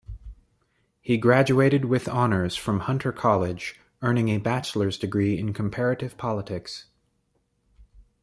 He graduated with honors from Hunter College, earning a bachelor's degree in comparative politics.